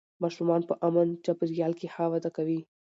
ماشومان په امن چاپېریال کې ښه وده کوي